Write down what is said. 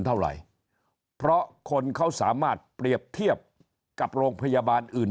เท่าไหร่เพราะคนเขาสามารถเปรียบเทียบกับโรงพยาบาลอื่น